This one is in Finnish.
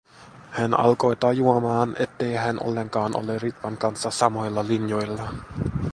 Hän alkoi tajuamaan, ettei hän ollenkaan ole Ritvan kanssa samoilla linjoilla.